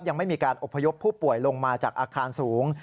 ยังไม่มีการอบพยพผู้ป่วยลงมาจากอาคารสูง